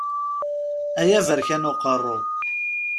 Ay aberkan uqerru!